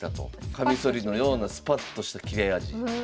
カミソリのようなスパッとした切れ味。